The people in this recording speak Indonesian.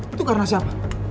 itu karena siapa